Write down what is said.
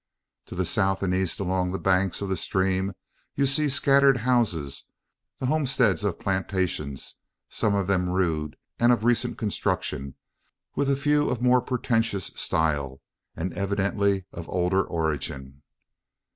To the south and east along the banks of the stream, you see scattered houses: the homesteads of plantations; some of them rude and of recent construction, with a few of more pretentious style, and evidently of older origin.